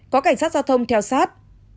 có cảnh sát giao thông theo sát